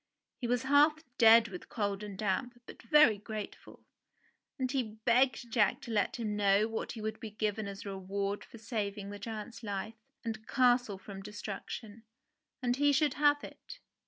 He was half dead with cold and damp, but very grateful ; and he begged Jack to let him know what he would be given as a reward for saving the giant's life and castle from destruction, and he should have it.